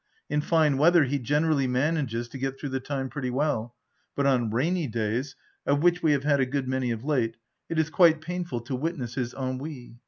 In fine weather he generally manages to get through the time pretty well ; but on rainy days, of which we have had a good many of late, it is quite painful to witness his ennui.